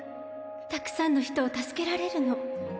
たくさんの人を助けられるの。